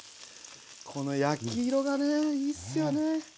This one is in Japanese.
この焼き色がねいいっすよね。